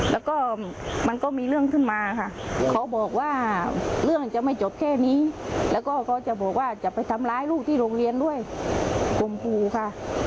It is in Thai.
แล้วก็มันก็มีเรื่องขึ้นมาค่ะเขาบอกว่าเรื่องจะไม่จบแค่นี้แล้วก็เขาจะบอกว่าจะไปทำร้ายลูกที่โรงเรียนด้วยคมครูค่ะ